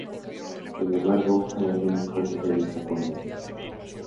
Sin embargo, hay algunos puntos de vista convergentes.